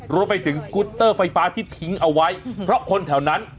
รวมไปถึงสกุตเตอร์ไฟฟ้าที่ทิ้งเอาไว้เพราะคนแถวนั้น